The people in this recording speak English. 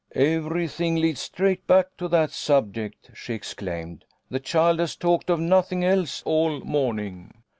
" Every thing leads straight back to that subject," she ex claimed. " The child has talked of nothing else all morning.